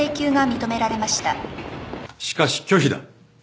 しかし拒否だ。